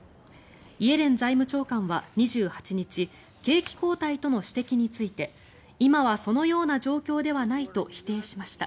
イエレン財務長官は２８日景気後退との指摘について今はそのような状況ではないと否定しました。